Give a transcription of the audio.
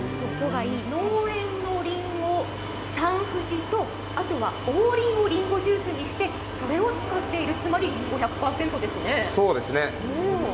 農園のりんご、サンふじとあとは王林をりんごジュースにしてこれを使っているんですね。